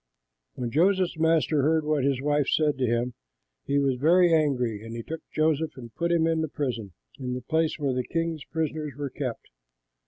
When Joseph's master heard what his wife said to him, he was very angry; and he took Joseph and put him into the prison, in the place where the king's prisoners were kept.